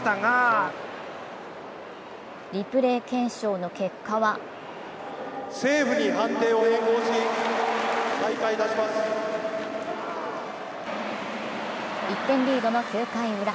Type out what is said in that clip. リプレー検証の結果は１点リードの９回ウラ。